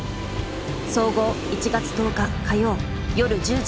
総合１月１０日火曜夜１０時。